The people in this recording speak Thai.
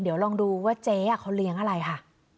เดี๋ยวลองดูว่าเจ๊เขาเลี้ยงอะไรค่ะ